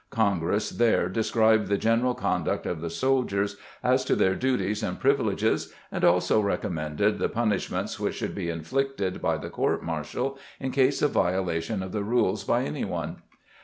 Congress there described the general conduct of the soldiers, as to their duties and privileges and also recommended the punishments which should be inflicted by the court martial in case of violation of the rules by any one.